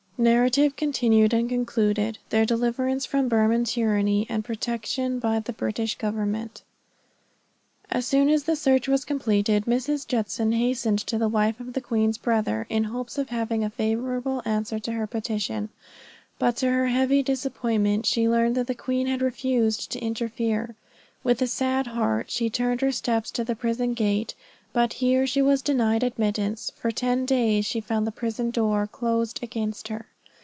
NARRATIVE CONTINUED, AND CONCLUDED. THEIR DELIVERANCE FROM BURMAN TYRANNY, AND PROTECTION BY THE BRITISH GOVERNMENT. As soon as the search was completed, Mrs. Judson hastened to the wife of the queen's brother, in hopes of having a favorable answer to her petition; but to her heavy disappointment she learned that the queen had refused to interfere. With a sad heart she turned her steps to the prison gate, but here she was denied admittance, and for ten days she found the prison door closed against her.